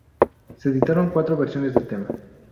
Se editaron cuatro versiones del tema.